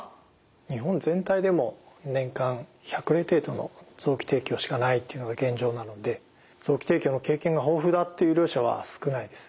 日本全体でも年間１００例程度の臓器提供しかないというのが現状なので臓器提供の経験が豊富だっていう医療者は少ないです。